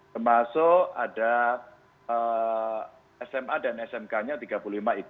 termasuk ada sma dan smk nya tiga puluh lima sd